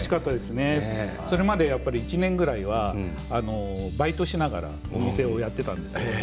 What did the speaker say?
それまで１年くらいはバイトしながらお店をやっていたんです。